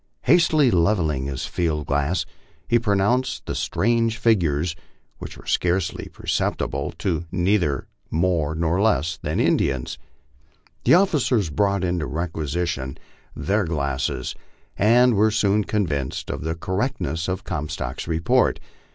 Hastily levelling his field glass, he pro nounced the strange figures, which were scarcely perceptible, to be neither more nor less than Indians. The officers brought into requisition their glasses, and were soon convinced of the correctness of Comstock's report.